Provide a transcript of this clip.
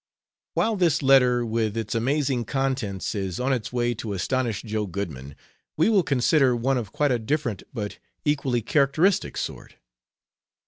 While this letter with its amazing contents is on its way to astonish Joe Goodman, we will consider one of quite a different, but equally characteristic sort.